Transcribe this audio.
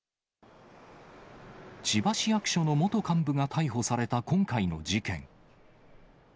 千葉市役所の元幹部が逮捕された今回の事件。